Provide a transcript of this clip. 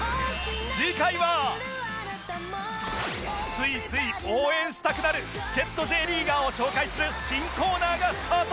ついつい応援したくなる助っ人 Ｊ リーガーを紹介する新コーナーがスタート